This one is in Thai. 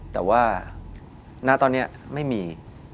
แต่ว่าณตอนนี้ไม่มี